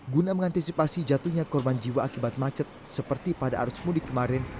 guna mengantisipasi jatuhnya korban jiwa akibat macet seperti pada arus mudik kemarin